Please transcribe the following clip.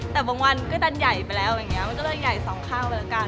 แต่บางวันก็จะใหญ่ไปแล้วมันก็เลยใหญ่สองข้างไปแล้วกัน